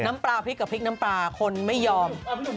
น้ำปลาพริกกับพริกน้ำปลาคนไม่ยอม